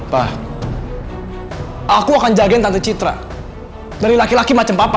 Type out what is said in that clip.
pak aku akan jagain tante citra dari laki laki macam papa